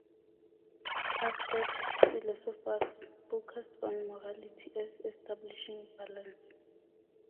Aztec philosophers focused on morality as establishing balance.